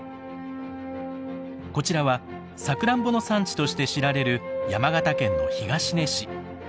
こちらはさくらんぼの産地として知られる山形県の東根市。